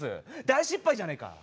大失敗じゃねえか。